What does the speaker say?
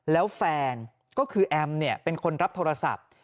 แล้วแฟนก็คือแอมเป็นคนรับโทรศัพท์